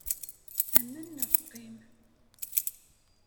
Amen neɣ qim.